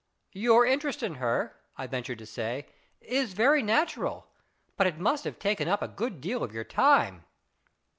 "Your interest in her," I ventured to say, "was very natural, but it must have taken up a good deal of your time."